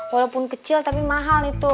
walaupun kecil tapi mahal itu